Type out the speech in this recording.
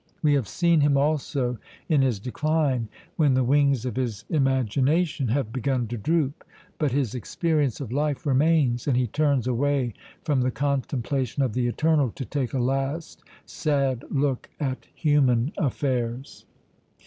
We have seen him also in his decline, when the wings of his imagination have begun to droop, but his experience of life remains, and he turns away from the contemplation of the eternal to take a last sad look at human affairs.